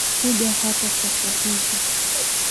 Kuja hapa sasa hivi